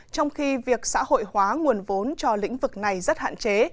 trong khi việc xã hội hóa nguồn vốn cho lĩnh vực này rất hạn chế